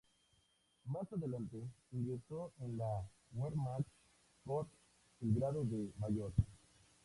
Más adelante ingresó en la "Wehrmacht" corn el grado de mayor.